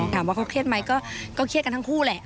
ถามว่าเขาเครียดไหมก็เครียดกันทั้งคู่แหละ